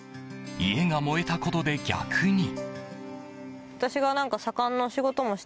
家が燃えたことで、逆に。